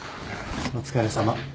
お疲れさま。